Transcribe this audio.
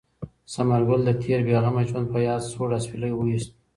ثمر ګل د تېر بې غمه ژوند په یاد سوړ اسویلی ویوست.